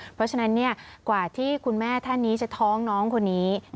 เพราะฉะนั้นกว่าที่คุณแม่ท่านนี้จะท้องน้องคนนี้